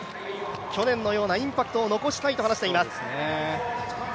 去年のようなインパクトを残したいと放しています。